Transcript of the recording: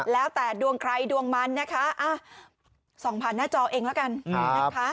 แล้วแต่ดวงใครดวงมันนะคะส่องผ่านหน้าจอเองแล้วกันนะคะ